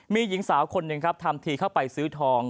มีหญิงสาวคนหนึ่งครับทำทีเข้าไปซื้อทอง